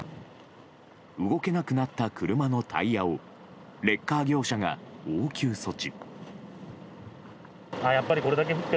動けなくなった車のタイヤをレッカー業者が応急措置。